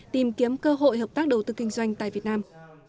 tìm kiếm cơ hội hợp tác đầu tư kinh doanh tại việt nam